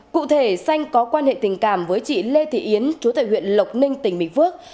cụ thể xanh có quan hệ tình cảm với chị lê thị yến chú tại huyện lộc ninh tỉnh bình phước